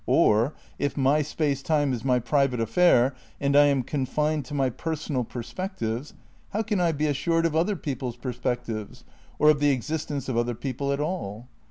Or, if my space time is my private affair and I am confined to my personal perspectives, how can I be assured of other people's perspectives, or of the exist ence of other people at all?